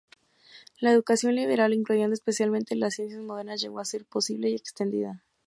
La educación liberal, incluyendo especialmente las ciencias modernas, llegó a ser posible y extendida.